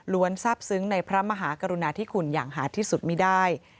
ทราบซึ้งในพระมหากรุณาธิคุณอย่างหาดที่สุดไม่ได้